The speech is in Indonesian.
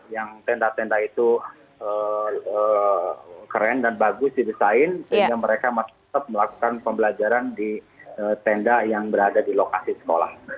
yang tenda tenda itu keren dan bagus didesain sehingga mereka masih tetap melakukan pembelajaran di tenda yang berada di lokasi sekolah